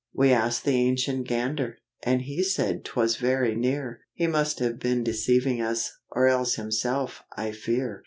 We asked the Ancient Gander, and he said 'twas very near, He must have been deceiving us, or else himself, I fear."